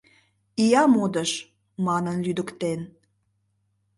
«Ия модыш», — манын лӱдыктен.